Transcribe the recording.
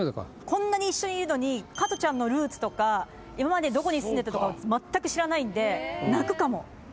こんなに一緒にいるのに加トちゃんのルーツとか今までどこに住んでたとかまったく知らないんで。